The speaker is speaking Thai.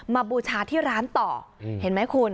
บูชาที่ร้านต่อเห็นไหมคุณ